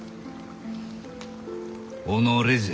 己じゃ。